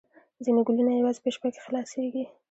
ځینې ګلونه یوازې په شپه کې خلاصیږي